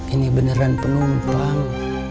ini beneran penumpang